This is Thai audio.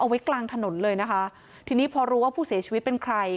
ไว้กลางถนนเลยนะคะทีนี้พอรู้ว่าผู้เสียชีวิตเป็นใคร